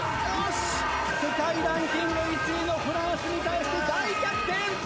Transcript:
世界ランキング１位のフランスに対して大逆転！